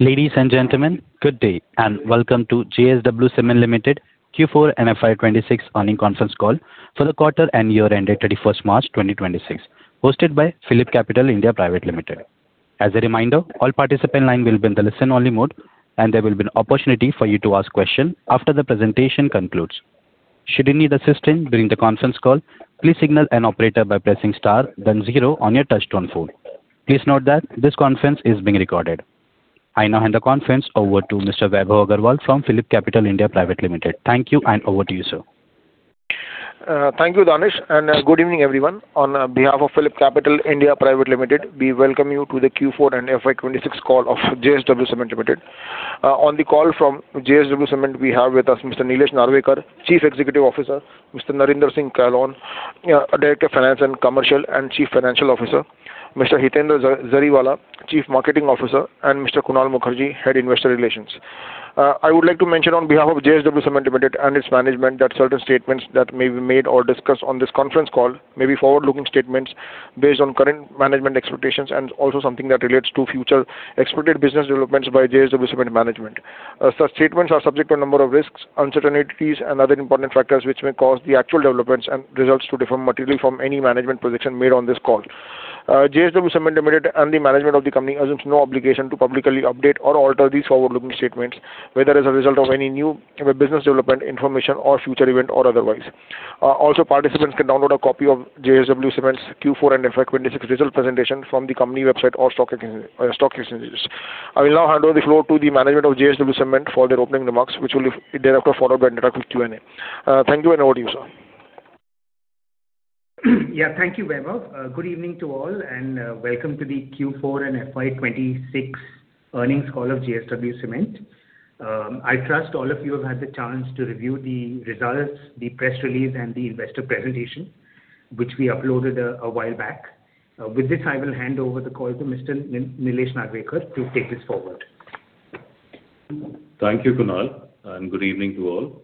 Ladies and gentlemen, good day, and welcome to JSW Cement Limited Q4 and FY 2026 Earnings Conference Call for the quarter and year-end at March 31st 2026, hosted by PhillipCapital India Private Limited. As a reminder, all participant lines will be in the listen-only mode, and there will be an opportunity for you to ask questions after the presentation concludes. Should you need assistance during the conference call, please signal an operator by pressing star then zero on your touch-tone phone. Please note that this conference is being recorded. I now hand the conference over to Mr. Vaibhav Agarwal from PhillipCapital India Private Limited. Thank you, and over to you, sir. Thank you, Danish, and good evening, everyone. On behalf of PhillipCapital India Private Limited, we welcome you to the Q4 and FY 2026 Call of JSW Cement Limited. On the call from JSW Cement, we have with us Mr. Nilesh Narwekar, Chief Executive Officer, Mr. Narinder Singh Kahlon, Director of Finance and Commercial, and Chief Financial Officer, Mr. Hitendra Jariwala, Chief Marketing Officer, and Mr. Kunal Mukherjee, Head Investor Relations. I would like to mention on behalf of JSW Cement Limited and its management that certain statements that may be made or discussed on this conference call may be forward-looking statements based on current management expectations and also something that relates to future expected business developments by JSW Cement management. Such statements are subject to a number of risks, uncertainties, and other important factors which may cause the actual developments and results to differ materially from any management prediction made on this call. JSW Cement Limited and the management of the company assumes no obligation to publicly update or alter these forward-looking statements, whether as a result of any new business development information or future event or otherwise. Also, participants can download a copy of JSW Cement's Q4 and FY 2026 result presentation from the company website or stock exchanges. I will now hand over the floor to the management of JSW Cement for their opening remarks, which will be thereafter followed by interactive Q&A. Thank you, and over to you, sir. Thank you, Vaibhav. Good evening to all, and welcome to the Q4 and FY 2026 Earnings Call of JSW Cement. I trust all of you have had the chance to review the results, the press release, and the investor presentation, which we uploaded a while back. With this, I will hand over the call to Mr. Nilesh Narwekar to take this forward. Thank you, Kunal, and good evening to all.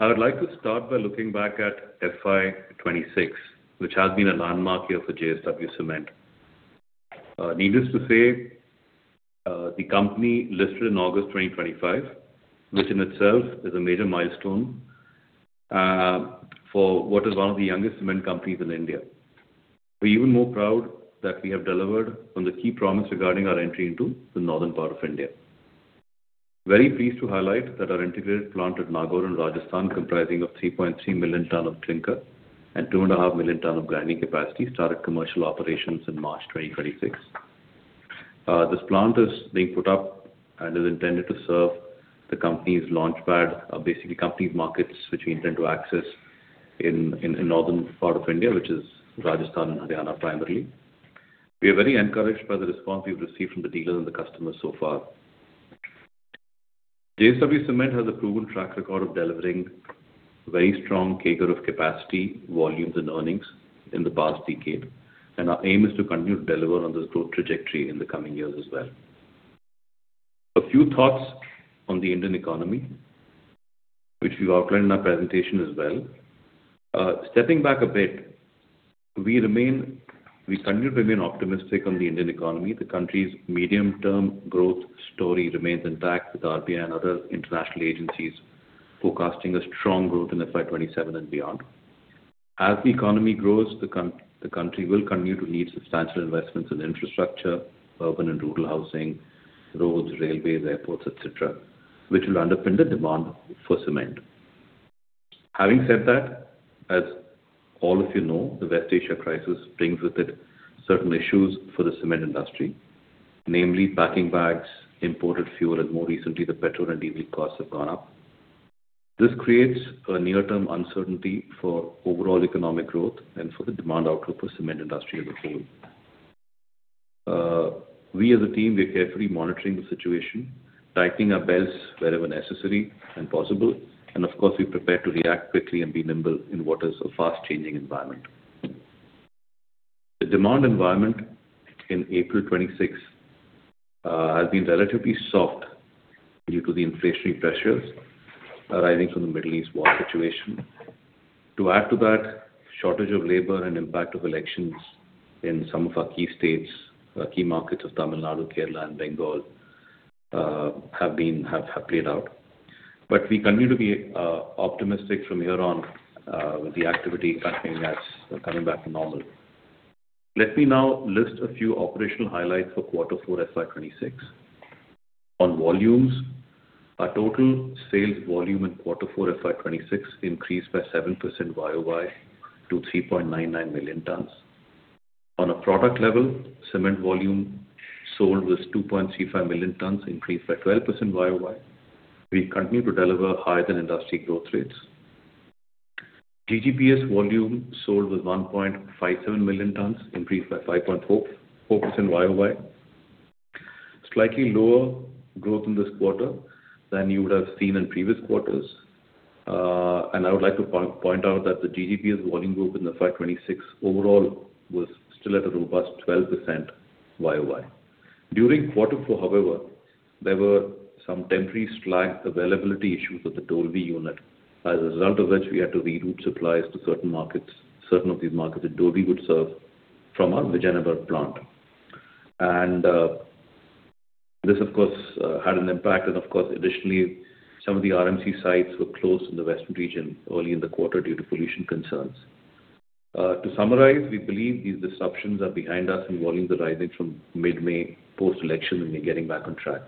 I would like to start by looking back at FY 2026, which has been a landmark year for JSW Cement. Needless to say, the company listed in August 2025, which in itself is a major milestone for what is one of the youngest cement companies in India. We're even more proud that we have delivered on the key promise regarding our entry into the northern part of India. Very pleased to highlight that our integrated plant at Nagaur in Rajasthan, comprising of 3.3 million tonne of clinker and 2.5 million tonne of grinding capacity, started commercial operations in March 2026. This plant is being put up and is intended to serve the company's launchpad of basically company markets, which we intend to access in northern part of India, which is Rajasthan and Haryana primarily. We are very encouraged by the response we've received from the dealers and the customers so far. JSW Cement has a proven track record of delivering very strong CAGR of capacity, volumes, and earnings in the past decade, and our aim is to continue to deliver on this growth trajectory in the coming years as well. A few thoughts on the Indian economy, which we've outlined in our presentation as well. Stepping back a bit, we continue to remain optimistic on the Indian economy. The country's medium-term growth story remains intact, with RBI and other international agencies forecasting a strong growth in FY 2027 and beyond. As the economy grows, the country will continue to need substantial investments in infrastructure, urban and rural housing, roads, railways, airports, et cetera, which will underpin the demand for cement. Having said that, as all of you know, the West Asia crisis brings with it certain issues for the cement industry, namely packing bags, imported fuel, and more recently, the petrol and diesel costs have gone up. This creates a near-term uncertainty for overall economic growth and for the demand outlook for cement industry as a whole. We as a team, we are carefully monitoring the situation, tightening our belts wherever necessary and possible, and of course, we prepare to react quickly and be nimble in what is a fast-changing environment. The demand environment in April 26 has been relatively soft due to the inflationary pressures arising from the Middle East war situation. To add to that, shortage of labor and impact of elections in some of our key states, key markets of Tamil Nadu, Kerala, and Bengal have played out. We continue to be optimistic from here on with the activity coming back to normal. Let me now list a few operational highlights for quarter four FY 2026. On volumes, our total sales volume in quarter four FY 2026 increased by 7% YoY to 3.99 million tonnes. On a product level, cement volume sold was 2.35 million tonnes, increased by 12% YoY. We continue to deliver higher than industry growth rates. GGBS volume sold was 1.57 million tonnes, increased by 5.4% YoY. Slightly lower growth in this quarter than you would have seen in previous quarters. I would like to point out that the GGBS volume growth in FY 2026 overall was still at a robust 12% YoY. During quarter four, however, there were some temporary slag availability issues with the Dolvi unit. As a result of which we had to reroute supplies to certain markets, certain of these markets that Dolvi would serve from our Vijayanagar plant. This, of course, had an impact. Of course, additionally, some of the RMC sites were closed in the western region early in the quarter due to pollution concerns. To summarize, we believe these disruptions are behind us and volumes are rising from mid-May post-election and we're getting back on track.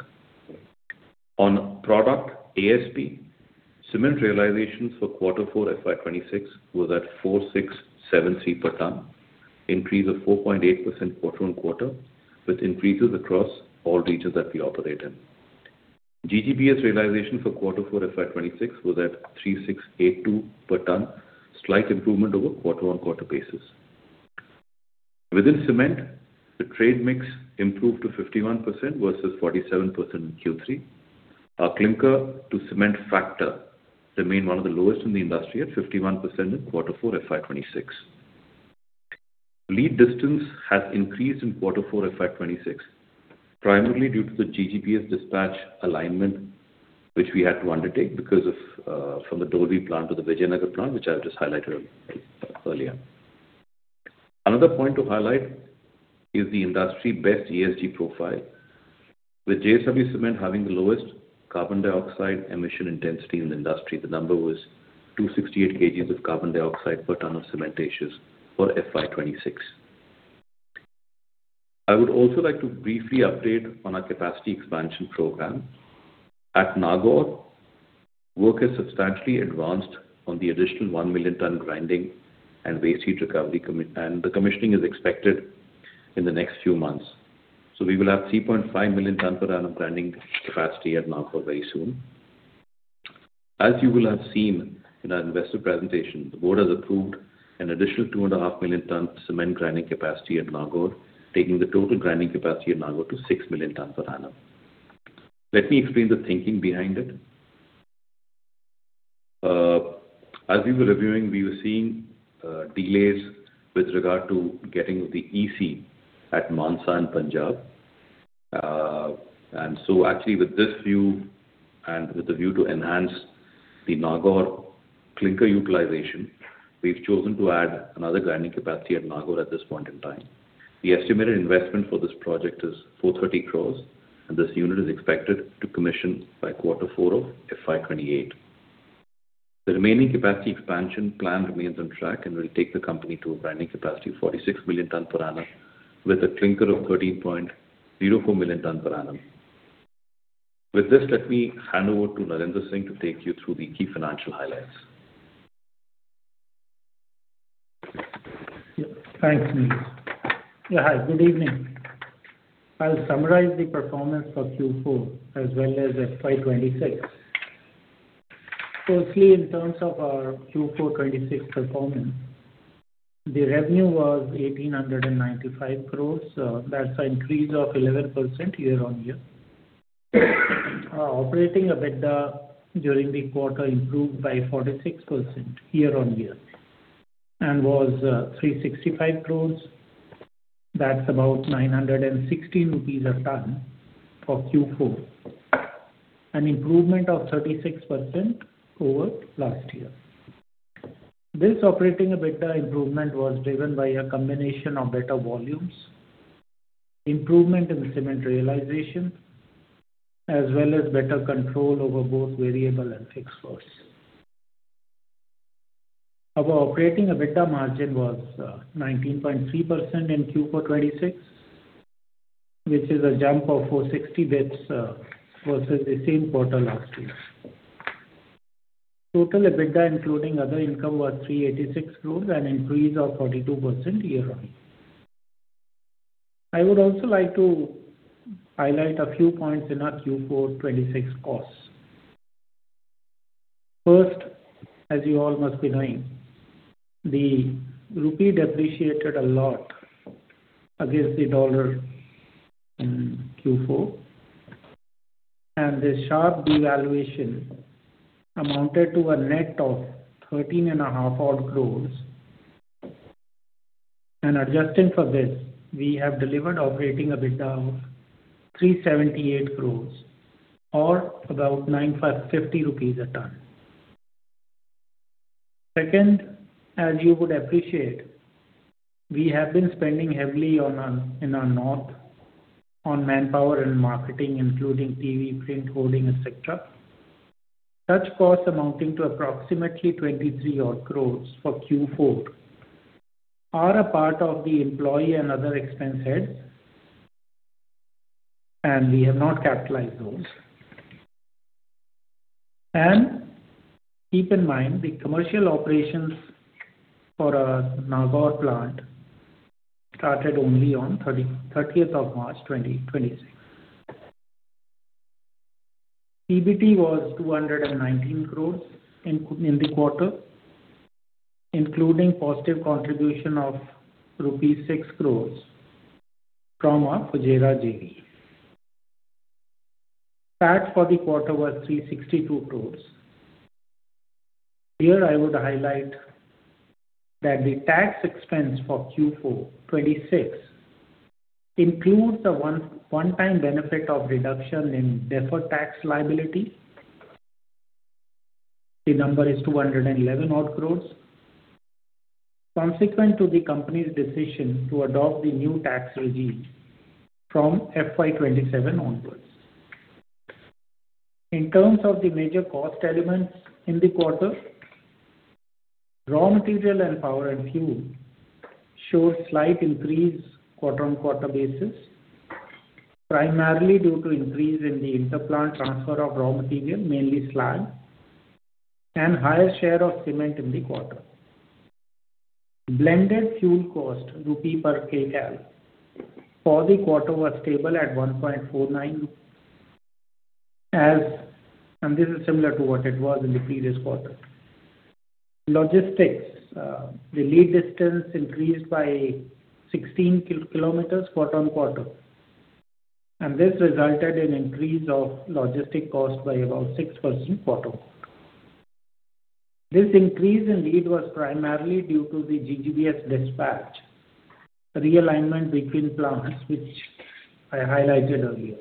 On product ASP, cement realizations for Q4 FY 2026 were at 4,673 per ton, increase of 4.8% quarter-on-quarter, with increases across all regions that we operate in. GGBS realization for Q4 FY 2026 was at 3,682 per ton, slight improvement over quarter-on-quarter basis. Within cement, the trade mix improved to 51% versus 47% in Q3. Our clinker to cement factor remain one of the lowest in the industry at 51% in Q4 FY 2026. Lead distance has increased in Q4 FY 2026, primarily due to the GGBS dispatch alignment, which we had to undertake from the Dolvi plant to the Vijayanagar plant, which I have just highlighted earlier. Another point to highlight is the industry-best ESG profile, with JSW Cement having the lowest carbon dioxide emission intensity in the industry. The number was 268 kgs of carbon dioxide per ton of cementitious for FY 2026. I would also like to briefly update on our capacity expansion program. At Nagaur, work has substantially advanced on the additional 1 million ton grinding and waste heat recovery, and the commissioning is expected in the next few months. We will have 3.5 million ton per annum grinding capacity at Nagaur very soon. As you will have seen in our investor presentation, the board has approved an additional 2.5 million ton cement grinding capacity at Nagaur, taking the total grinding capacity at Nagaur to 6 million ton per annum. Let me explain the thinking behind it. As we were reviewing, we were seeing delays with regard to getting the EC at Mansa in Punjab. Actually with this view and with a view to enhance the Nagaur clinker utilization, we've chosen to add another grinding capacity at Nagaur at this point in time. The estimated investment for this project is 430 crores, and this unit is expected to commission by Q4 of FY 2028. The remaining capacity expansion plan remains on track and will take the company to a grinding capacity of 46 million ton per annum with a clinker of 13.04 million ton per annum. With this, let me hand over to Narinder Singh to take you through the key financial highlights. Thanks, Nilesh. Hi, good evening. I'll summarize the performance for Q4 as well as FY 2026. Firstly, in terms of our Q4 2026 performance, the revenue was 1,895 crores. That's an increase of 11% year-on-year. Operating EBITDA during the quarter improved by 46% year-on-year and was 365 crores. That's about 916 rupees a ton for Q4, an improvement of 36% over last year. This Operating EBITDA improvement was driven by a combination of better volumes, improvement in cement realization, as well as better control over both variable and fixed costs. Our Operating EBITDA margin was 19.3% in Q4 2026, which is a jump of 460 basis points versus the same quarter last year. Total EBITDA, including other income, was 386 crores, an increase of 42% year-on-year. I would also like to highlight a few points in our Q4 2026 costs. First, as you all must be knowing, the INR depreciated a lot against the dollar in Q4. This sharp devaluation amounted to a net of 13.50 Crores. Adjusting for this, we have delivered operating EBITDA of 378 crores or about 950 rupees a ton. Second, as you would appreciate, we have been spending heavily in our North on manpower and marketing, including TV, print, hoarding, et cetera. Such costs amounting to approximately 23 odd crores for Q4 are a part of the employee and other expense heads, and we have not capitalized those. Keep in mind, the commercial operations for our Nagaur plant started only on March 30th 2026. PBT was 219 crores in the quarter, including positive contribution of rupees 6 crores from our Fujairah JV. PAT for the quarter was 362 crores. Here I would highlight that the tax expense for Q4 2026 includes the one-time benefit of reduction in deferred tax liability. The number is 211 odd crores. Consequent to the company's decision to adopt the new tax regime from FY 2027 onwards. In terms of the major cost elements in the quarter, raw material and power and fuel showed slight increase quarter-on-quarter basis, primarily due to increase in the interplant transfer of raw material, mainly slag, and higher share of cement in the quarter. Blended fuel cost INR per Kcal for the quarter was stable at 1.49 as and this is similar to what it was in the previous quarter. Logistics. The lead distance increased by 16 kilometers quarter-on-quarter. This resulted in increase of logistic cost by around 6% quarter-on-quarter. This increase in lead was primarily due to the GGBS dispatch realignment between plants, which I highlighted earlier.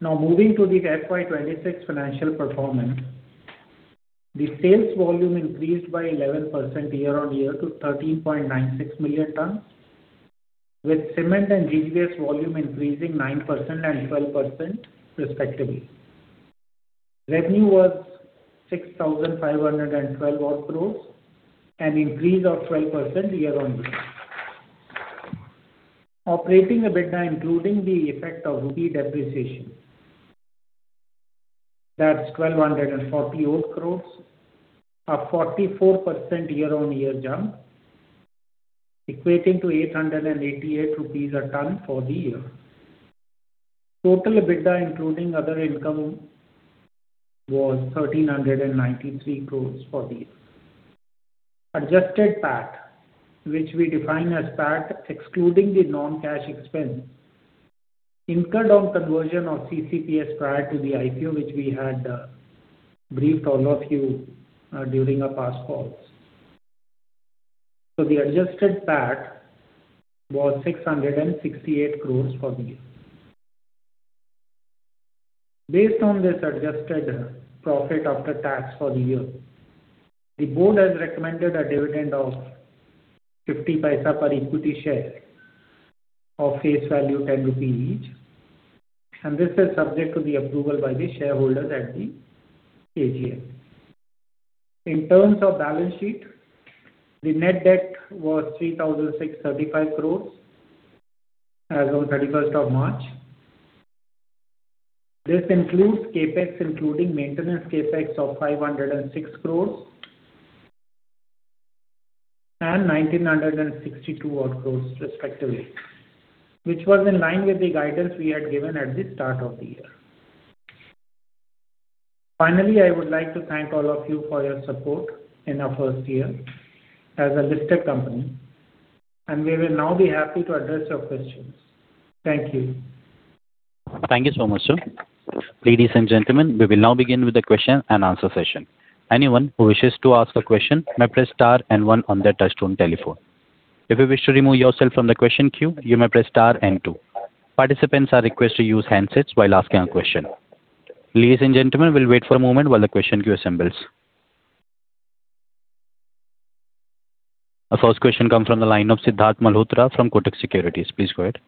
Moving to the FY 2026 financial performance. The sales volume increased by 11% year-on-year to 13.96 million tonnes, with cement and GGBS volume increasing 9% and 12% respectively. Revenue was 6,512 odd crores, an increase of 12% year-on-year. Operating EBITDA, including the effect of rupee depreciation, that's 1,240 odd crores, a 44% year-on-year jump, equating to 888 rupees a tonne for the year. Total EBITDA, including other income, was 1,393 crores for the year. Adjusted PAT, which we define as PAT excluding the non-cash expense incurred on conversion of CCPS prior to the IPO, which we had briefed all of you during our past calls. The adjusted PAT was 668 crores for the year. Based on this adjusted profit after tax for the year, the board has recommended a dividend of 0.50 per equity share of face value 10 rupees each. This is subject to the approval by the shareholders at the AGM. In terms of balance sheet, the net debt was 3,635 crore rupees as on March 31st. This includes CapEx, including maintenance CapEx of 506 crore and 1,962 odd crore respectively, which was in line with the guidance we had given at the start of the year. Finally, I would like to thank all of you for your support in our first year as a listed company. We will now be happy to address your questions. Thank you. Thank you so much, sir. Ladies and gentlemen, we will now begin with the question and answer session. Anyone who wishes to ask a question may press star and one on their touchtone telephone. If you wish to remove yourself from the question queue, you may press star and two. Participants are requested to use handsets while asking a question. Ladies and gentlemen, we'll wait for a moment while the question queue assembles. Our first question comes from the line of Siddharth Mehrotra from Kotak Securities. Please go ahead.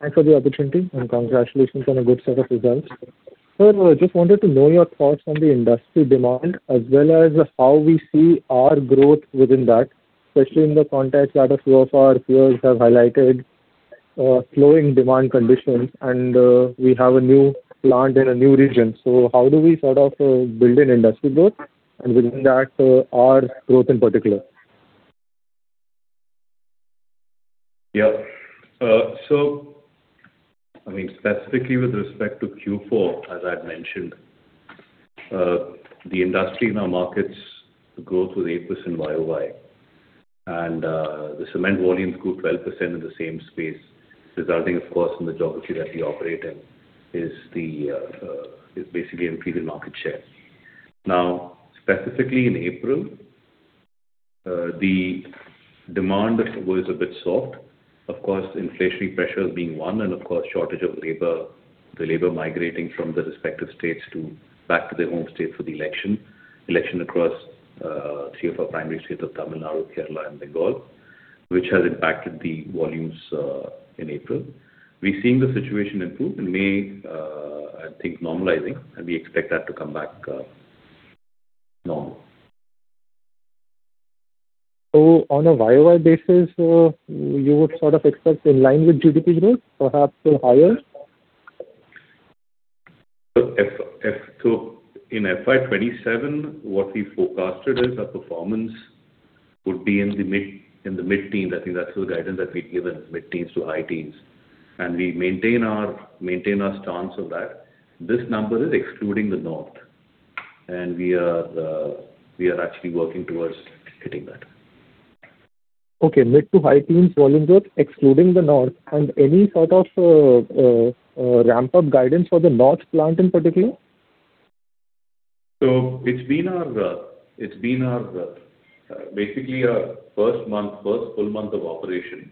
Thanks for the opportunity and congratulations on a good set of results. Sir, just wanted to know your thoughts on the industry demand as well as how we see our growth within that, especially in the context that a few of our peers have highlighted slowing demand conditions and we have a new plant in a new region. How do we sort of build in industry growth and within that, our growth in particular? Yeah. Specifically with respect to Q4, as I had mentioned, the industry in our markets growth was 8% YoY, and the cement volumes grew 12% in the same space, resulting of course, in the geography that we operate in is basically increasing market share. Specifically in April, the demand was a bit soft. Of course, inflationary pressures being one, and of course, shortage of labor, the labor migrating from the respective states back to their home state for the election across three of our primary states of Tamil Nadu, Kerala, and Bengal, which has impacted the volumes in April. We're seeing the situation improve in May, I think normalizing, and we expect that to come back normal. On a YoY basis, you would sort of expect in line with GDP growth, perhaps a little higher? In FY 2027, what we forecasted is our performance would be in the mid-teens. I think that's the guidance that we'd given, mid-teens to high teens. We maintain our stance of that. This number is excluding the North, and we are actually working towards hitting that. Okay. Mid to high teens volume growth excluding the North. Any sort of ramp-up guidance for the North plant in particular? It's been our first full month of operation,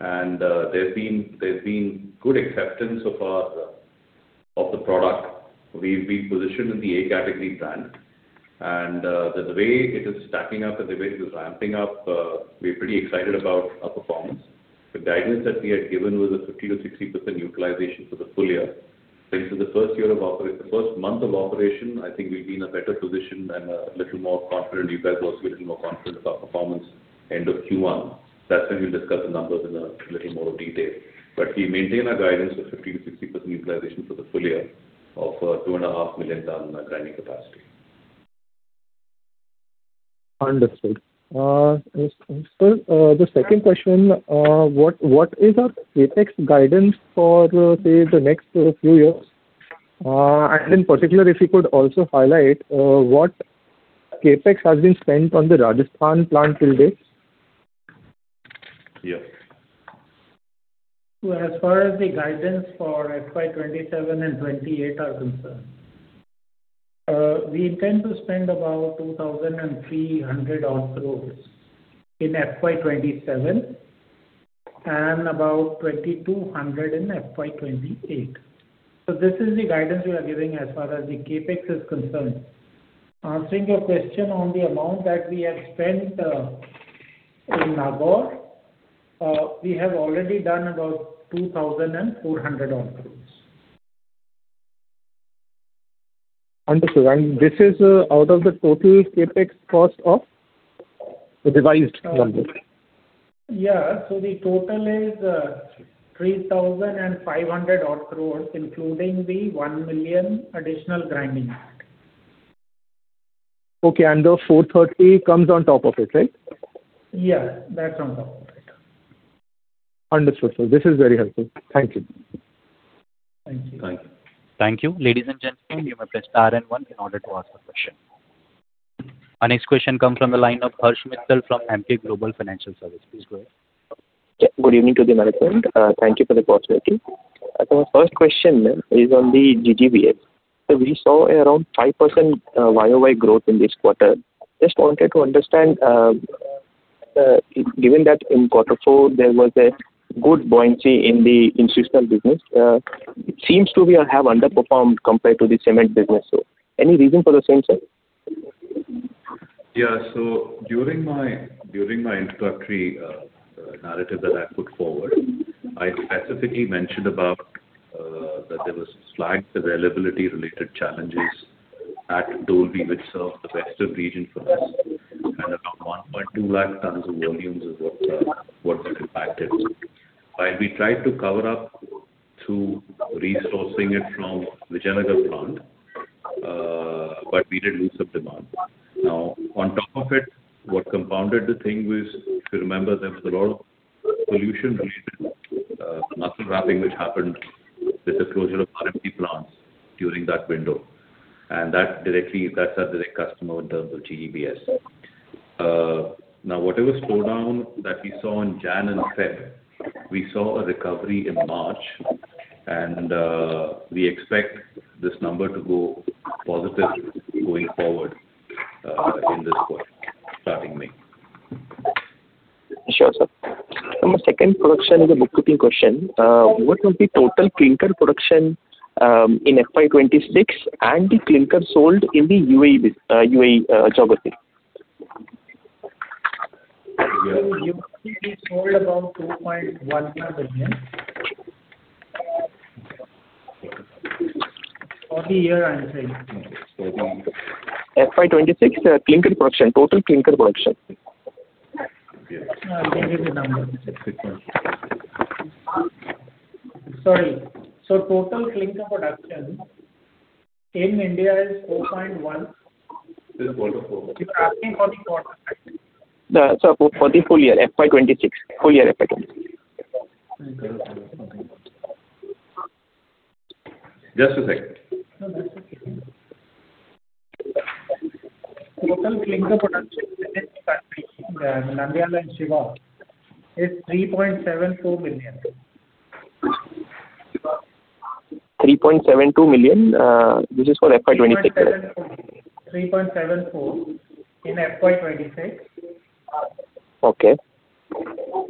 and there's been good acceptance of the product. We've been positioned in the A Category brand, and the way it is stacking up and the way it is ramping up, we're pretty excited about our performance. The guidance that we had given was a 50%-60% utilization for the full year. Since the first month of operation, I think we'll be in a better position and a little more confident. You guys will also be a little more confident of our performance end of Q1. That's when we'll discuss the numbers in a little more detail. We maintain our guidance of 50%-60% utilization for the full year of 2.5 million tons in our grinding capacity. Understood. Sir, the second question, what is our CapEx guidance for, say, the next few years? In particular, if you could also highlight what CapEx has been spent on the Rajasthan plant till date. Yeah. As far as the guidance for FY 2027 and FY 2028 are concerned, we intend to spend about 2,300 odd crores in FY 2027 and about 2,200 in FY 2028. This is the guidance we are giving as far as the CapEx is concerned. Answering your question on the amount that we have spent in Nagaur, we have already done about 2,400 odd crores. Understood. This is out of the total CapEx cost of the revised number? Yeah. The total is 3,500 odd crores, including the 1 million additional grinding. Okay. The 430 comes on top of it, right? Yeah, that's on top of it. Understood, sir. This is very helpful. Thank you. Thank you. Thank you. Thank you. Ladies and gentlemen, you may press star one in order to ask a question. Our next question comes from the line of Harsh Mittal from Emkay Global Financial Services. Please go ahead. Good evening to the management. Thank you for the opportunity. My first question is on the GGBS. We saw around 5% YoY growth in this quarter. Just wanted to understand, given that in Q4 there was a good buoyancy in the institutional business, it seems to have underperformed compared to the cement business. Any reason for the same, sir? During my introductory narrative that I put forward, I specifically mentioned about that there was slight availability related challenges at Dolvi, which serves the western region for us, and around 120,000 tons of volumes is what got impacted. While we tried to cover up through resourcing it from Vijayanagar plant, but we did lose some demand. On top of it, what compounded the thing was, if you remember, there was a lot of pollution related municipal ramping, which happened with the closure of RMC plants during that window, and that serves a direct customer in terms of GGBS. Whatever slowdown that we saw in Jan and Feb, we saw a recovery in March and we expect this number to go positive going forward in this quarter starting May. Sure, sir. My second question is a bookkeeping question. What was the total clinker production in FY 2026 and the clinker sold in the UAE geography? Yeah. We sold about 2.14 million for the year under FY 2026 clinker production, total clinker production. I'll give you the number. Just a quick one. Sorry. Total clinker production in India is 4.1. This is quarter four. You're asking for the quarter, right? No, sir, for the full year, FY 2026. Full year FY 2026. Just a second. No, that's okay. Total clinker production within the country, Nandyal and Shiva, is 3.72 million. 3.72 million. This is for FY 2026? 3.74 in FY 2026. Okay.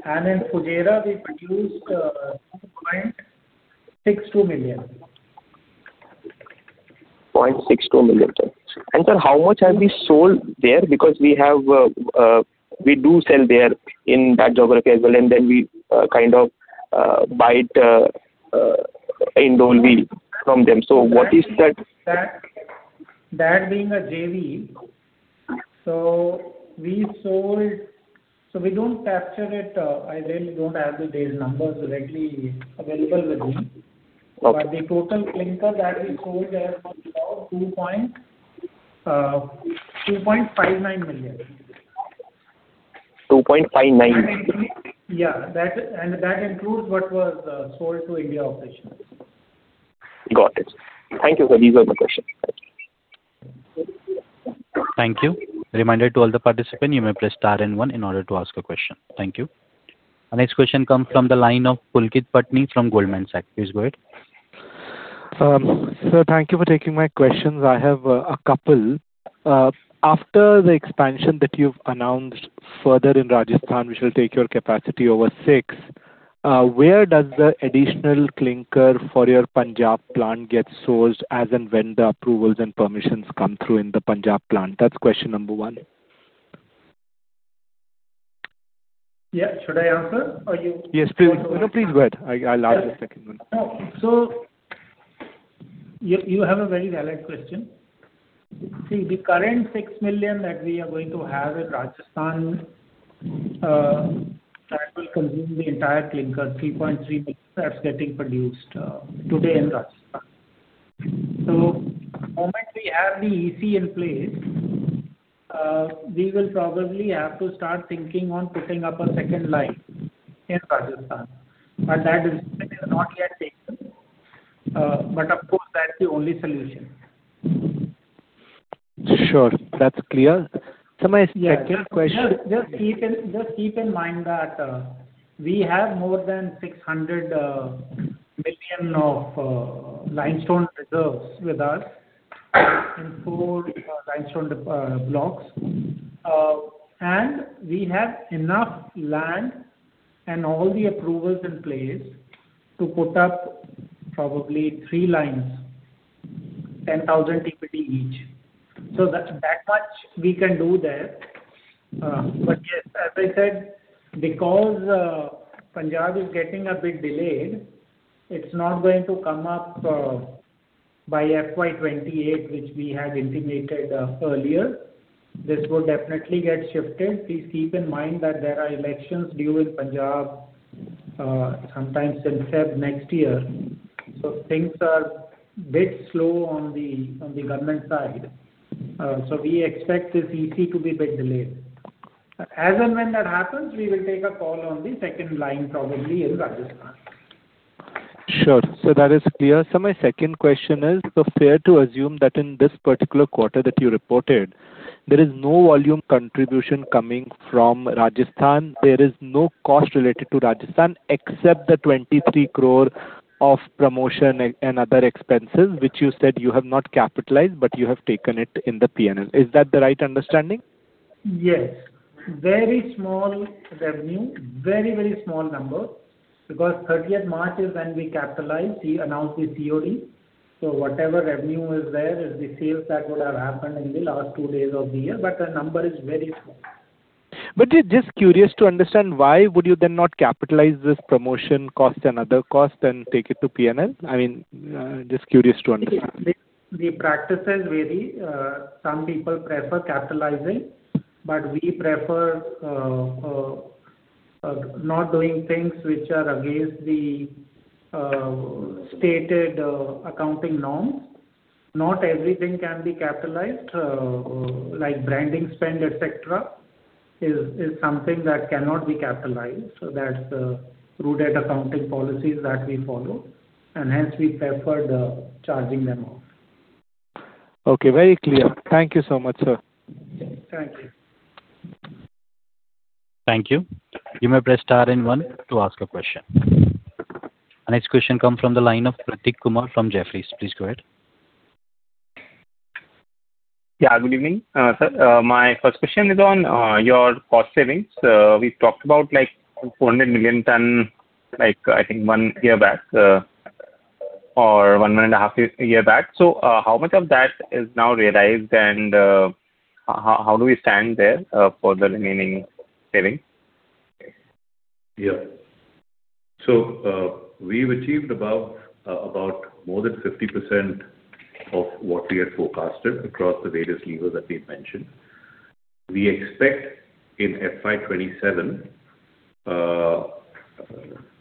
In Fujairah, we produced 0.62 million. 0.62 million tons. Sir, how much have we sold there? We do sell there in that geography as well, and then we kind of buy it in Dolvi from them. What is that? That being a JV, we don't capture it. I really don't have the data numbers directly available with me. Okay. The total clinker that we sold there was about 2.59 million. 2.59. Yeah. That includes what was sold to India operations. Got it. Thank you, sir. These were the questions. Our next question comes from the line of Pulkit Patni from Goldman Sachs. Please go ahead. Sir, thank you for taking my questions. I have a couple. After the expansion that you've announced further in Rajasthan, which will take your capacity over six, where does the additional clinker for your Punjab plant get sourced as and when the approvals and permissions come through in the Punjab plant? That's question number one. Yeah. Should I answer or you-? Yes, please. No, please go ahead. I'll ask the second one. You have a very valid question. See, the current 6 million that we are going to have in Rajasthan, that will consume the entire clinker, 3.3 million tons that's getting produced today in Rajasthan. The moment we have the EC in place, we will probably have to start thinking on putting up a second line in Rajasthan. That decision is not yet taken. Of course, that's the only solution. Sure. That's clear. My second question. Just keep in mind that we have more than 600 million of limestone reserves with us in four limestone blocks. We have enough land and all the approvals in place to put up probably three lines, 10,000 TPD each. That much we can do there. Yes, as I said, because Punjab is getting a bit delayed, it's not going to come up by FY 2028, which we had indicated earlier. This will definitely get shifted. Please keep in mind that there are elections due in Punjab sometime since February next year, so things are a bit slow on the government side. We expect this EC to be a bit delayed. As and when that happens, we will take a call on the second line, probably in Rajasthan. Sure. That is clear. My second question is, fair to assume that in this particular quarter that you reported, there is no volume contribution coming from Rajasthan. There is no cost related to Rajasthan except the 23 crore of promotion and other expenses, which you said you have not capitalized, but you have taken it in the P&L. Is that the right understanding? Yes. Very small revenue. Very small number. March 30th is when we capitalize, we announce the COD. Whatever revenue is there is the sales that would have happened in the last two days of the year, but the number is very small. Just curious to understand, why would you then not capitalize this promotion cost and other cost and take it to P&L? I mean, just curious to understand. The practice is varied. Some people prefer capitalizing, but we prefer not doing things which are against the stated accounting norms. Not everything can be capitalized, like branding spend, et cetera, is something that cannot be capitalized. That's through our accounting policies that we follow, and hence we preferred charging them off. Okay, very clear. Thank you so much, sir. Thank you. Thank you. You may press star and one to ask a question. Our next question comes from the line of Prateek Kumar from Jefferies. Please go ahead. Good evening. Sir, my first question is on your cost savings. We've talked about 400 million tons, I think one year back or one and a half years back. How much of that is now realized and how do we stand there for the remaining savings? We’ve achieved about more than 50% of what we had forecasted across the various levers that we had mentioned. We expect in FY 2027 for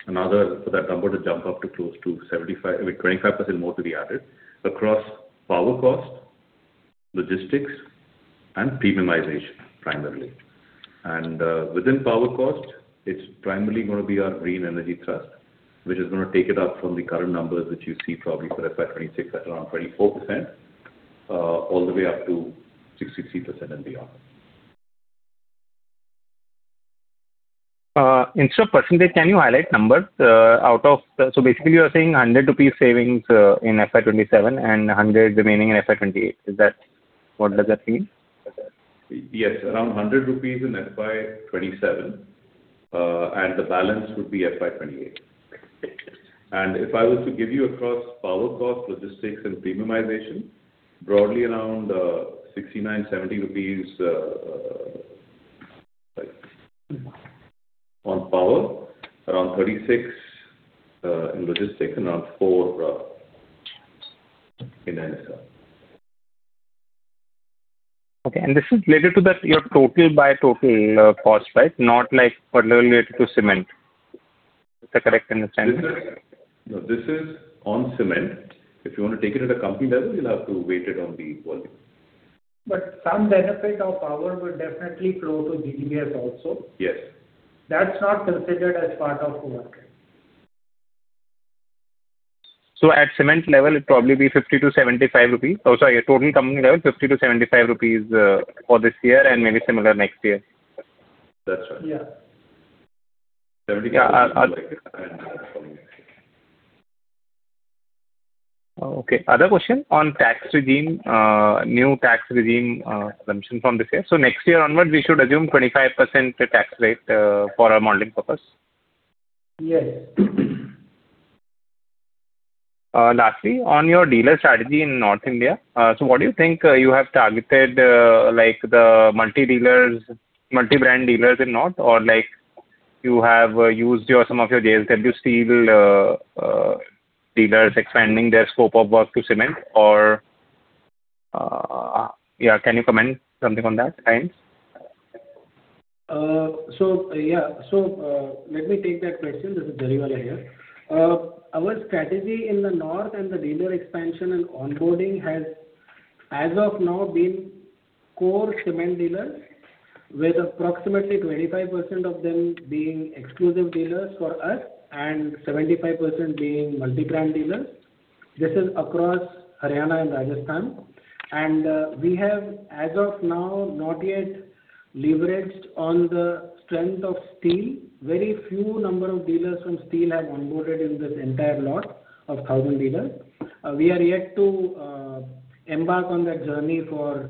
that number to jump up to close to 25% more to be added across power cost, logistics, and premiumization, primarily. Within power cost, it’s primarily going to be our green energy trust, which is going to take it up from the current numbers that you see probably for FY 2026 at around 24%, all the way up to 63% and beyond. Instead of percentage, can you highlight numbers. Basically, you are saying 100 rupees savings in FY 2027 and 100 remaining in FY 2028. Is that what does that mean? Yes. Around 100 rupees in FY 2027, and the balance would be FY 2028. Right. If I was to give you across power cost, logistics, and premiumization, broadly around 69, 70 rupees on power, around 36 in logistics, and around 4 in NSR. Okay. This is related to your total by total cost, right? Not like particularly related to cement. Is that correct understanding? This is on cement. If you want to take it at a company level, you'll have to weight it on the volume. Some benefit of power will definitely flow to GGBS also. Yes. That's not considered as part of the market. At cement level, it'll probably be 50-75 rupees. Oh, sorry, total company level 50-75 rupees for this year and maybe similar next year. That's right. Yeah. INR 70 to next year. Okay. Other question on tax regime, new tax regime assumption from this year. Next year onwards, we should assume 25% tax rate for our modeling purpose. Yes. Lastly, on your dealer strategy in North India, what do you think you have targeted the multi-brand dealers in North or you have used some of your JSW Steel dealers expanding their scope of work to cement or can you comment something on that, kinds? Let me take that question. This is Jariwala here. Our strategy in the North and the dealer expansion and onboarding has as of now been core cement dealers, with approximately 25% of them being exclusive dealers for us and 75% being multi-brand dealers. This is across Haryana and Rajasthan. We have as of now not yet leveraged on the strength of steel. Very few number of dealers from steel have onboarded in this entire lot of 1,000 dealers. We are yet to embark on that journey for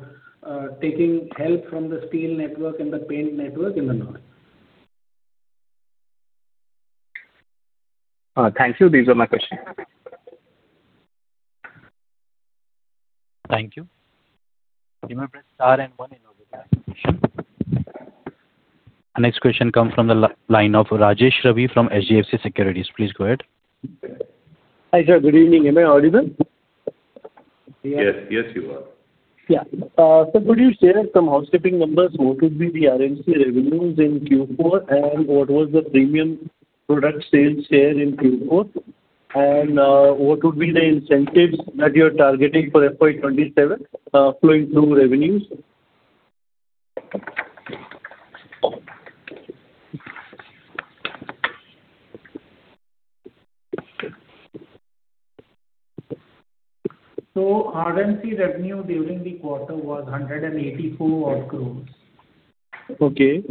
taking help from the steel network and the paint network in the North. Thanks. These are my questions. Thank you. You may press star one in order to ask a question. Next question comes from the line of Rajesh Ravi from HDFC Securities. Please go ahead. Hi, sir. Good evening. Am I audible? Yes, you are. Yeah. Sir, could you share some housekeeping numbers? What would be the RMC revenues in Q4 and what was the premium product sales share in Q4? What would be the incentives that you're targeting for FY 2027 flowing through revenues? RMC revenue during the quarter was 184 crores. Okay.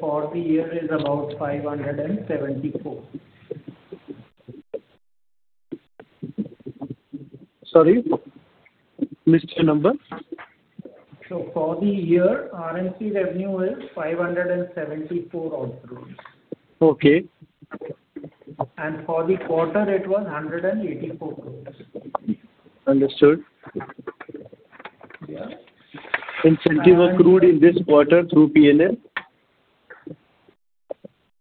For the year is about 574. Sorry, missed your number. For the year, RMC revenue is 574 crores. Okay. For the quarter, it was 184 crores. Understood. Yeah. Incentive accrued in this quarter through P&L?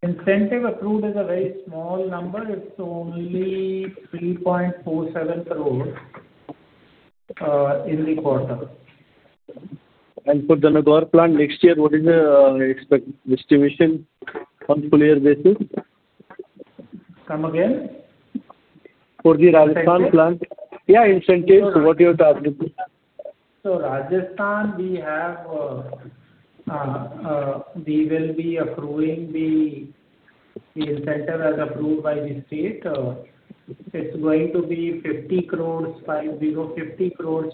Incentive accrued is a very small number. It's only 3.47 crores in the quarter. For the Nagaur plant next year, what is the expected distribution on full year basis? Come again. For the Rajasthan plant. Incentive? Incentive. What you are targeting? Rajasthan, we will be approving the incentive as approved by the state. It's going to be 50 crores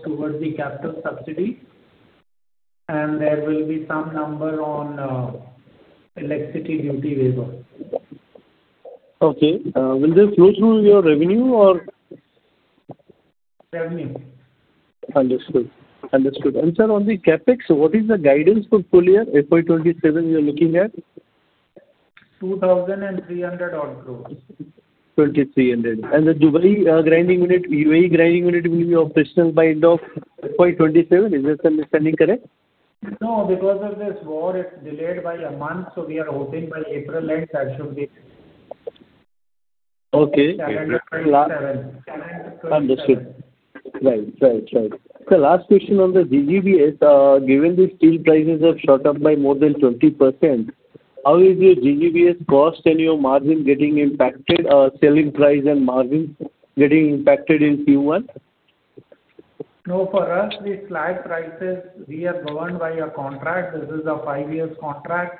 towards the capital subsidy, and there will be some number on electricity duty waiver. Okay. Will this flow through your revenue or? Revenue. Understood. Sir, on the CapEx, what is the guidance for full year FY 2027 you're looking at? 2,300 crores. 2,300. The Dubai grinding unit, UAE. grinding unit will be operational by end of FY 2027. Is this understanding correct? No, because of this war, it's delayed by a month. We are hoping by April end that should be. Okay FY2027. Understood. Right. Sir, last question on the GGBS. Given the steel prices have shot up by more than 20%, how is your GGBS cost and your margin getting impacted, selling price and margin getting impacted in Q1? No, for us, the slag prices, we are governed by a contract. This is a five years contract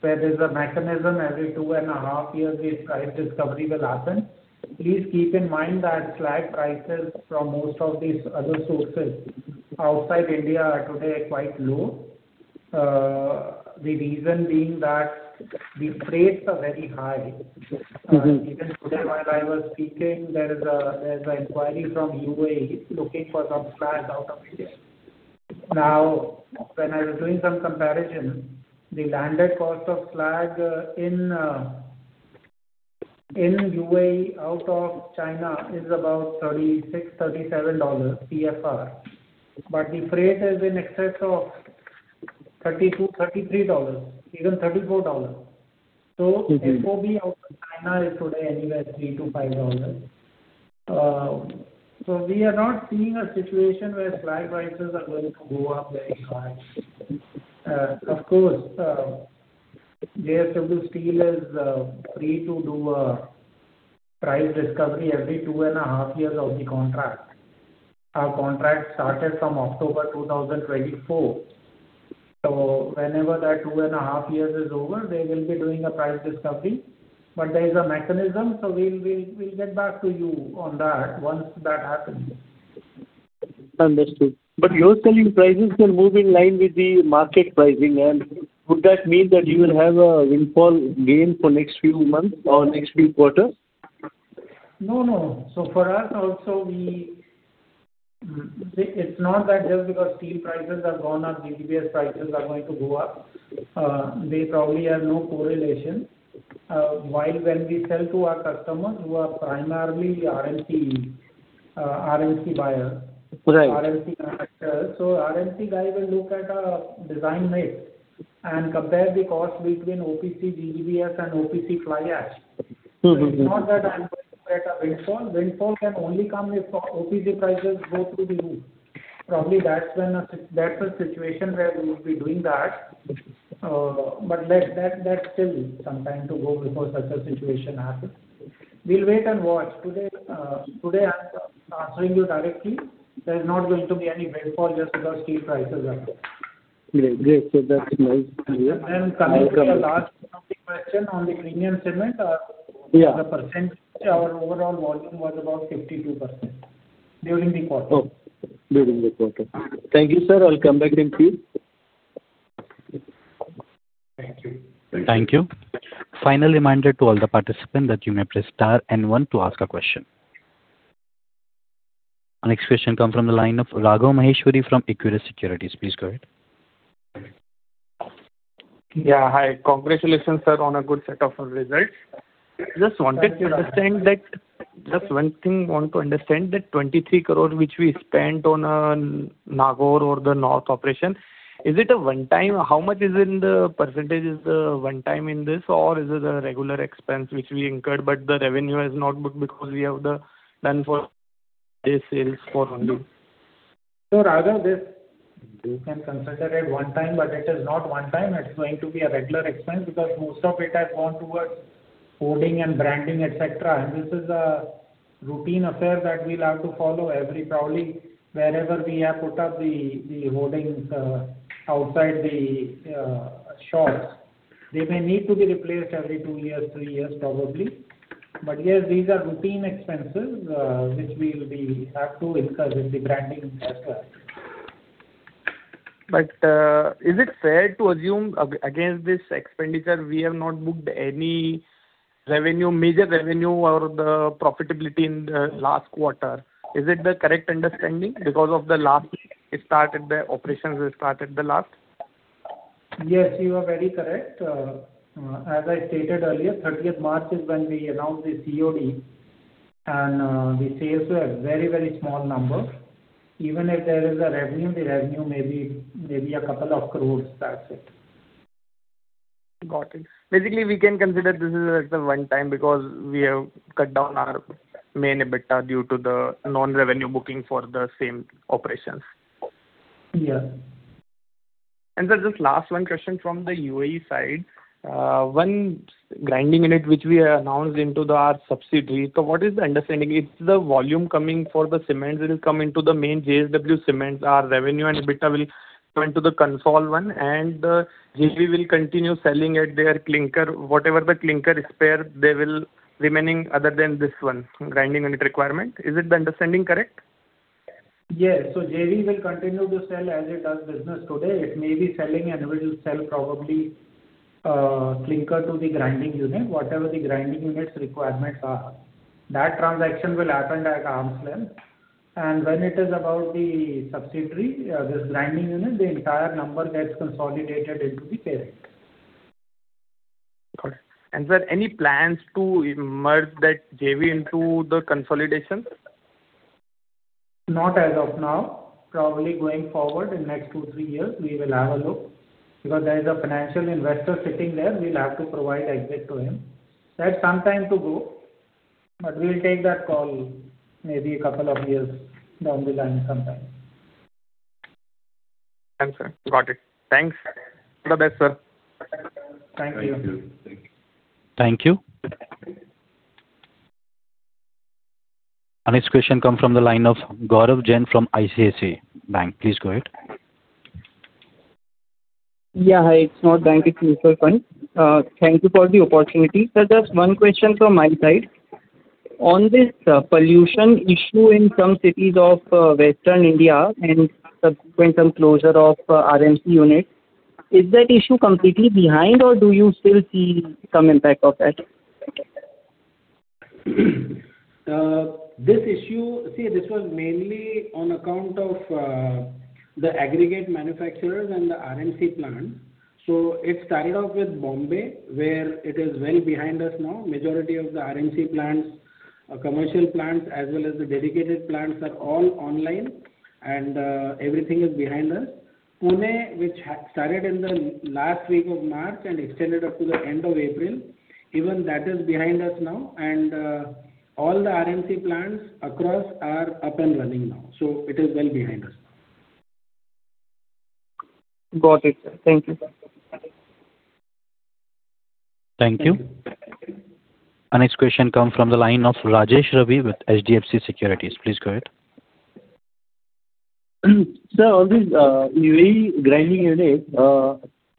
where there's a mechanism every two and a half years this price discovery will happen. Please keep in mind that slag prices from most of these other sources outside India are today quite low. The reason being that the freights are very high. Even today, while I was speaking, there is an inquiry from UAE looking for some slag out of India. When I was doing some comparison, the landed cost of slag in UAE out of China is about $36, $37 CFR, but the freight is in excess of $32, $33, even $34. FOB out of China is today anywhere $3-$5. We are not seeing a situation where slag prices are going to go up very high. Of course, JSW Steel is free to do a price discovery every two and a half years of the contract. Our contract started from October 2024. Whenever that two and a half years is over, they will be doing a price discovery. But there is a mechanism, we will get back to you on that once that happens. Understood. You are telling prices can move in line with the market pricing. Would that mean that you will have a windfall gain for next few months or next few quarters? No. For us also, it's not that just because steel prices have gone up, GGBS prices are going to go up. They probably have no correlation. While when we sell to our customers, who are primarily RMC buyers. Right RMC manufacturers. RMC guy will look at our design rate and compare the cost between OPC, GGBS, and PPC fly ash. It's not that I'm going to get a windfall. Windfall can only come if OPC prices go through the roof. Probably that's a situation where we would be doing that. That's still some time to go before such a situation happens. We'll wait and watch. Today, I'm answering you directly, there's not going to be any windfall just because steel prices are up. Great. That's nice and clear. Coming to the last question on the premium cement. Yeah Our overall volume was about 52% during the quarter. Okay. During the quarter. Thank you, sir. I'll come back again to you. Thank you. Our next question come from the line of Raghav Maheshwari from Equirus Securities. Please go ahead. Yeah, hi. Congratulations, sir, on a good set of results. Thank you. Just one thing I want to understand, the 23 crore which we spent on Nagaur or the North operation, is it a one time? How much is in the percentage is one time in this, or is it a regular expense which we incurred but the revenue is not good because we have the done for these sales volume? Raghav, this you can consider it one time, but it is not one time. It's going to be a regular expense because most of it has gone towards hoarding and branding, et cetera. This is a routine affair that we'll have to follow every probably wherever we have put up the hoardings outside the shops. They may need to be replaced every two years, three years, probably. Yes, these are routine expenses, which we will have to incur with the branding et cetera. Is it fair to assume against this expenditure, we have not booked any major revenue or the profitability in the last quarter? Is it the correct understanding because the operations started the last? Yes, you are very correct. As I stated earlier, March 30th is when we announced the COD, the sales were very small numbers. Even if there is a revenue, the revenue may be INR a couple of crores, that's it. Got it. Basically, we can consider this is like the 1 time because we have cut down our main EBITDA due to the non-revenue booking for the same operations. Yeah. Sir, just last one question from the UAE side. One grinding unit which we announced into our subsidiary. What is the understanding? It's the volume coming for the cement, it is coming to the main JSW Cement, our revenue and EBITDA will go into the consol one, and JV will continue selling at their clinker. Whatever the clinker is spare, they will remaining other than this one, grinding unit requirement. Is it the understanding correct? Yes. JV will continue to sell as it does business today. It may be selling and it will sell probably clinker to the grinding unit, whatever the grinding unit's requirements are. That transaction will happen at arm's length. When it is about the subsidiary, this grinding unit, the entire number gets consolidated into the parent. Got it. Sir, any plans to merge that JV into the consolidation? Not as of now. Probably going forward in next two, three years, we will have a look, because there is a financial investor sitting there, we'll have to provide exit to him. That's some time to go, but we'll take that call maybe a couple of years down the line sometime. Thanks, sir. Got it. Thanks. All the best, sir. Thank you. Thank you. Our next question comes from the line of Gaurav Jain from ICICI Bank. Please go ahead. Yeah. Hi, it's not bank, it's Mutual Fund. Thank you for the opportunity. Sir, just one question from my side. On this pollution issue in some cities of Western India and subsequent closure of RMC unit, is that issue completely behind or do you still see some impact of that? This issue, see, this was mainly on account of the aggregate manufacturers and the RMC plant. It started off with Mumbai, where it is well behind us now. Majority of the RMC plants, commercial plants, as well as the dedicated plants are all online, and everything is behind us. Pune, which started in the last week of March and extended up to the end of April, even that is behind us now, and all the RMC plants across are up and running now. It is well behind us now. Got it, sir. Thank you, sir. Thank you. Our next question comes from the line of Rajesh Ravi with HDFC Securities. Please go ahead. Sir, on this UAE grinding unit,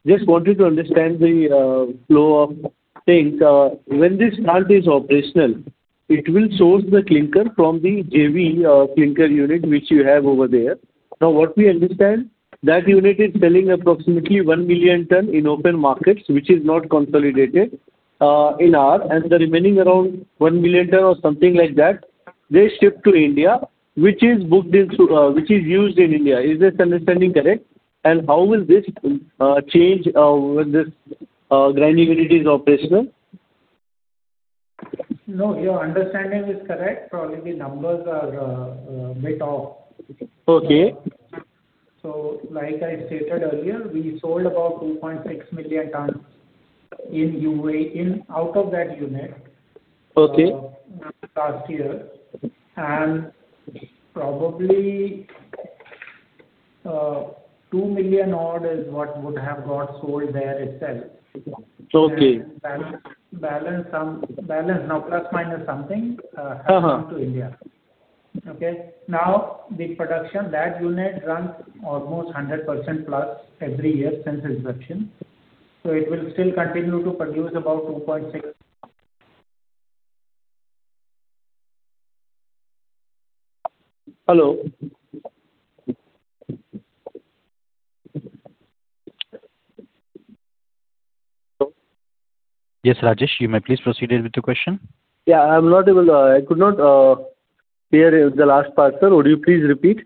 just wanted to understand the flow of things. When this plant is operational, it will source the clinker from the JV clinker unit which you have over there. What we understand, that unit is selling approximately 1 million tonnes in open markets, which is not consolidated in our. The remaining around 1 million tonnes or something like that, they ship to India, which is used in India. Is this understanding correct? How will this change when that grinding unit is operational? No, your understanding is correct. Probably the numbers are a bit off. Okay. Like I stated earlier, we sold about 2.6 million tonnes in UAE out of that unit. Okay last year. Probably 2 million odd is what would have got sold there itself. Okay. Balance, now plus minus something has come to India. Okay? The production, that unit runs almost 100%+ every year since inception, so it will still continue to produce about 2.6 Hello. Hello. Yes, Rajesh, you may please proceed with your question. Yeah, I could not hear the last part, sir. Would you please repeat?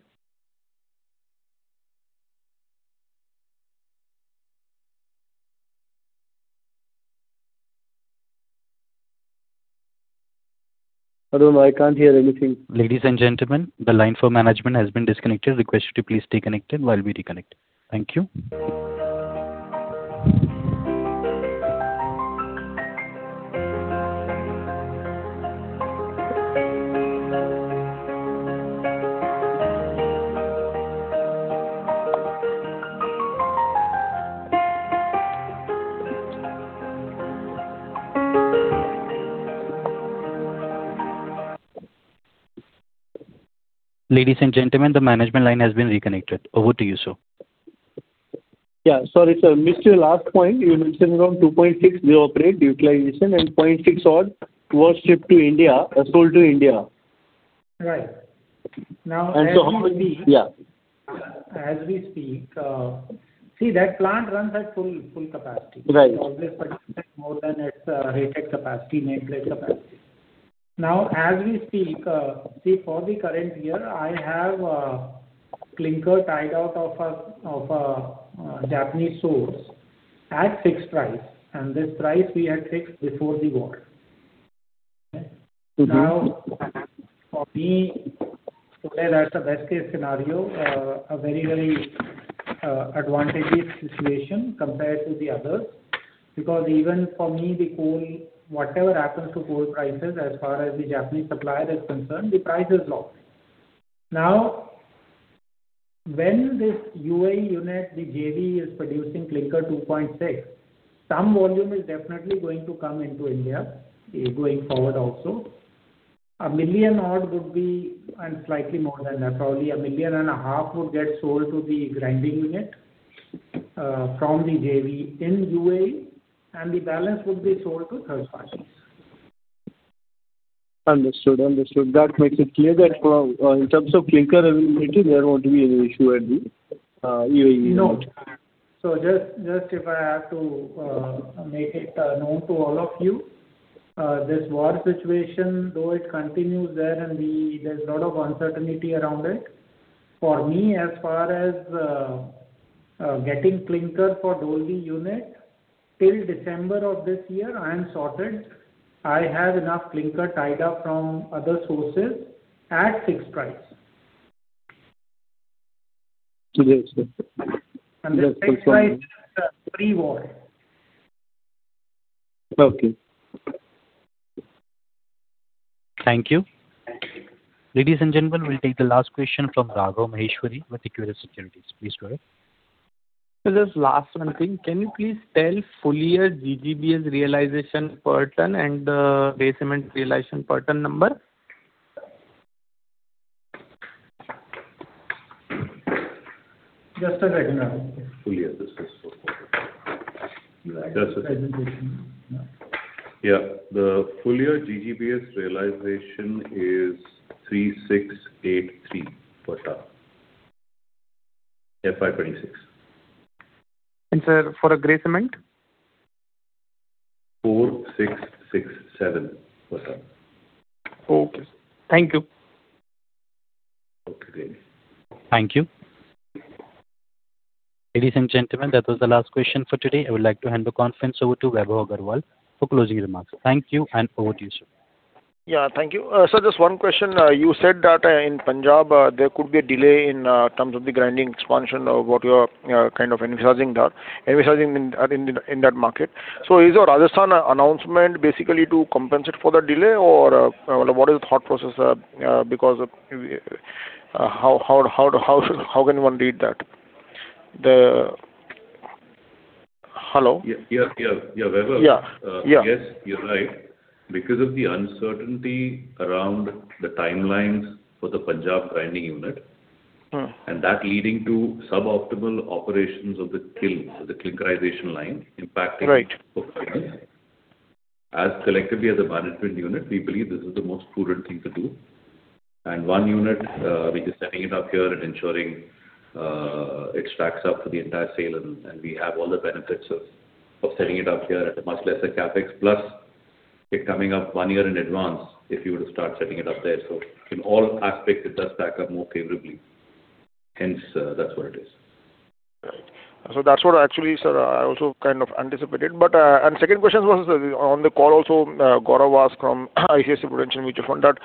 Although I can't hear anything. Over to you, sir. Yeah. Sorry, sir, missed your last point. You mentioned around 2.6 we operate utilization and 0.6 odd was shipped to India or sold to India. Right. Now, as we speak. Yeah. As we speak see, that plant runs at full capacity. Right. It always produces more than its rated capacity, nameplate capacity. Now, as we speak, see, for the current year, I have clinker tied out of a Japanese source at fixed price, and this price we had fixed before the war. Okay? For me today, that's the best case scenario. A very advantageous situation compared to the others. Even for me, the coal, whatever happens to coal prices, as far as the Japanese supplier is concerned, the price is locked. When this UAE unit, the JV, is producing clinker 2.6, some volume is definitely going to come into India going forward also. 1 million odd would be, and slightly more than that, probably 1.5 million would get sold to the grinding unit from the JV in UAE, and the balance would be sold to third parties. Understood. That makes it clear that in terms of clinker availability, there won't be any issue at the UAE unit. No. Just if I have to make it known to all of you, this war situation, though it continues there and there's a lot of uncertainty around it, for me, as far as getting clinker for Dolvi unit, till December of this year, I am sorted. I have enough clinker tied up from other sources at fixed price. Yes, sir. This fixed price is pre-war. Okay. Thank you. Ladies and gentlemen, we'll take the last question from Raghav Maheshwari with Equirus Securities. Please go ahead. Sir, just last one thing. Can you please tell full year GGBS realization per ton and gray cement realization per ton number? Just a second, Raghav. Full year, this is for Raghav. That's okay. Presentation. Yeah. The full year GGBS realization is 3,683 per ton. FY 2026. Sir, for gray cement? 4,667 per ton. Okay. Thank you. Okay, great. Thank you. Ladies and gentlemen, that was the last question for today. I would like to hand the conference over to Vaibhav Agarwal for closing remarks. Thank you, and over to you, sir. Yeah, thank you. Sir, just one question. You said that in Punjab, there could be a delay in terms of the grinding expansion, what you are kind of envisaging in that market. Is your Rajasthan announcement basically to compensate for the delay or what is the thought process there? How can one read that? Yeah, Vaibhav. Yeah. Yes, you're right. Because of the uncertainty around the timelines for the Punjab grinding unit. That leading to suboptimal operations of the kiln, of the clinkerization line. Right performance. Collectively as a management unit, we believe this is the most prudent thing to do, and one unit, we're just setting it up here and ensuring it stacks up for the entire sale and we have all the benefits of setting it up here at a much lesser CapEx, plus it coming up one year in advance if you were to start setting it up there. In all aspects, it does stack up more favorably. Hence, that's what it is. Right. That's what actually, sir, I also kind of anticipated. Second question was on the call also, Gaurav asked from ICICI Prudential Mutual Fund that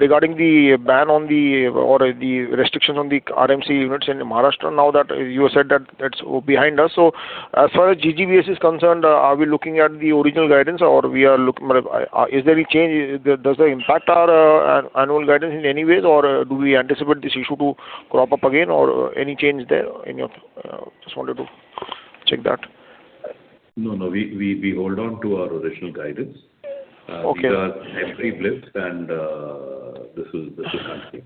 regarding the ban on the, or the restrictions on the RMC units in Maharashtra, now that you have said that it's behind us. As far as GGBS is concerned, are we looking at the original guidance or is there a change? Does that impact our annual guidance in any ways or do we anticipate this issue to crop up again or any change there? Just wanted to check that. No, no, we hold on to our original guidance. Okay. These are temporary blips, and this will not change.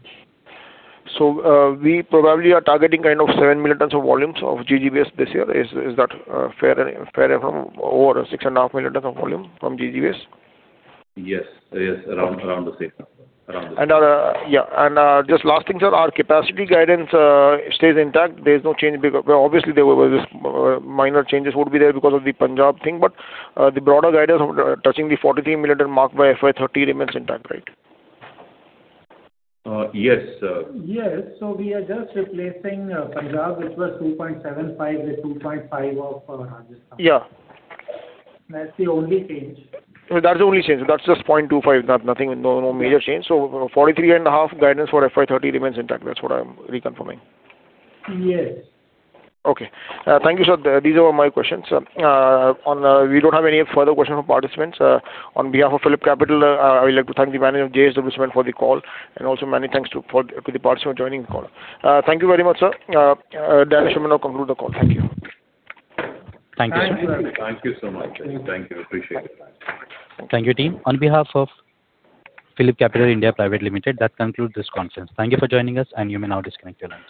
We probably are targeting kind of 7 million tonnes of volumes of GGBS this year. Is that fair or 6.5 million tonnes of volume from GGBS? Yes. Around the same number. Just last thing, sir, our capacity guidance stays intact. There's no change. Obviously, minor changes would be there because of the Punjab thing, but the broader guidance of touching the 43 million ton mark by FY 2030 remains intact, right? Yes. Yes. We are just replacing Punjab, which was 2.75 with 2.5 of Rajasthan. Yeah. That's the only change. That's the only change. That's just 0.25. Nothing. No major change. Yeah. 43.5 guidance for FY 2030 remains intact. That's what I'm reconfirming. Yes. Okay. Thank you, sir. These were my questions. We don't have any further questions from participants. On behalf of PhillipCapital, I would like to thank the management of JSW Cement for the call, and also many thanks to the participants for joining the call. Thank you very much, sir. The management will conclude the call. Thank you. Thank you so much. Thank you. Appreciate it. Thank you, team. On behalf of PhillipCapital India Private Limited, that concludes this conference. Thank you for joining us, and you may now disconnect your lines.